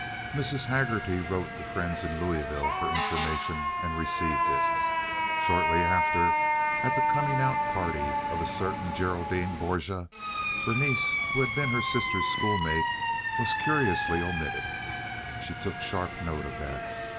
Mrs. Haggerty wrote to friends in Louisville for information, and received it. Shortly after, at the coming out party of a certain Geraldine Borga, Berenice, who had been her sister's schoolmate, was curiously omitted. She took sharp note of that.